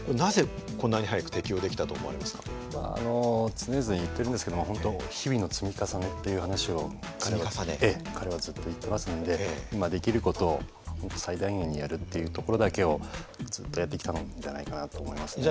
常々言ってるんですけど本当日々の積み重ねっていう話を彼はずっと言ってますんで今できる事を最大限にやるっていうところだけをずっとやってきたのではないかなと思いますね。